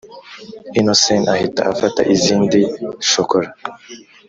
innocent ahita afata izindi shokora